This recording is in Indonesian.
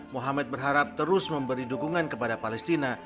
mohamed berharap terus memberi dukungan kepada palestina